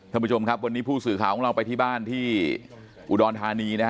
ท่านผู้ชมครับวันนี้ผู้สื่อข่าวของเราไปที่บ้านที่อุดรธานีนะฮะ